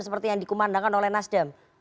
seperti yang dikumandangkan oleh nasdem